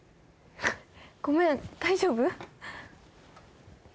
ごめん大丈夫？